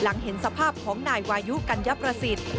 หลังเห็นสภาพของนายวายุกัญญประสิทธิ์